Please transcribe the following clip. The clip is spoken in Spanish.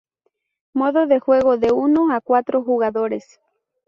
Modo de juego de uno a cuatro jugadores.